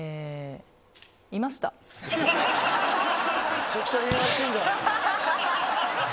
めちゃくちゃ恋愛してんじゃないですか。